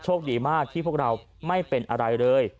ดีมากที่พวกเราไม่เป็นอะไรเลย